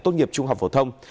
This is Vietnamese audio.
tốt nghiệp trung học phổ thông